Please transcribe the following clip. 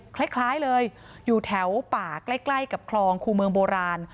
คล้ายเลยอยู่แถวป่าใกล้กับคลองคู่เมืองโบราณ